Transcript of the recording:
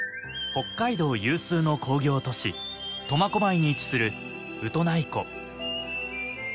北海道有数の工業都市苫小牧に位置するウトナイ湖。